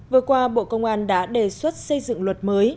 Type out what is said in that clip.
vừa qua bộ công an đã đề xuất xây dựng luật mới